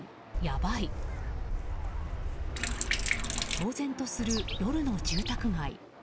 騒然とする夜の住宅街。